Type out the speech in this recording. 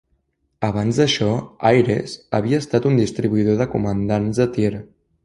Abans d'això, Ayres havia estat un distribuïdor de comandants de tir.